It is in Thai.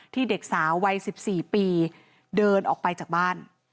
เด็กสาววัย๑๔ปีเดินออกไปจากบ้าน